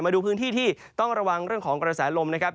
มาดูพื้นที่ที่ต้องระวังเรื่องของกระแสลมนะครับ